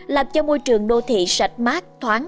làm cho môi trường đô thị sạch mát thoáng